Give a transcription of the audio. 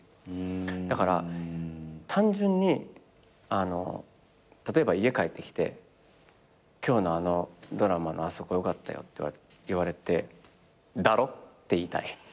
だから単純に例えば家帰ってきて「今日のあのドラマのあそこ良かったよ」って言われてだろ？って言いたい。